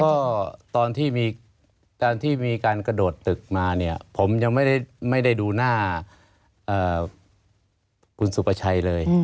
ก็ตอนที่มีการที่มีการกระโดดตึกมาเนี่ยผมยังไม่ได้ดูหน้าคุณสุประชัยเลย